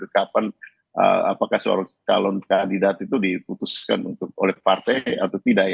kapan apakah seorang calon kandidat itu diputuskan oleh partai atau tidak